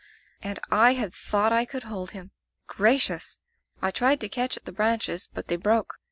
"And I had thought I could hold him! Gracious! I tried to catch at the branches, but they broke.